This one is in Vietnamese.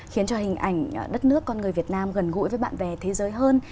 khiến cho hình ảnh đất nước con người việt nam gần gũi với bạn bè thế giới hơn